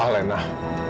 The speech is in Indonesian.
aku mau ketemu kamilah